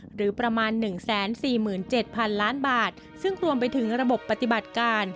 หรือประมาณ๑๔๗๐๐๐ล้านบาทซึ่งรวมไปถึงระบบปฏิบัติการ